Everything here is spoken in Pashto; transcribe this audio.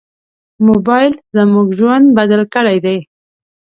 موبایل زموږ ژوند بدل کړی دی.